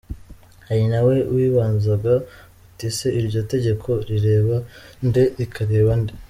Hari nawe wibazaga uti ese, iryo tegeko, rireba nde rikareka nde ?